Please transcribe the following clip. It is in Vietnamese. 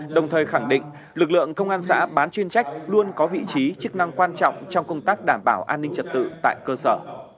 đồng thời khẳng định lực lượng công an xã bán chuyên trách luôn có vị trí chức năng quan trọng trong công tác đảm bảo an ninh trật tự tại cơ sở